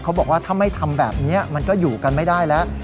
เขาบอกว่าถ้าไม่ทำแบบนี้มันก็อยู่กันไม่ได้แล้ว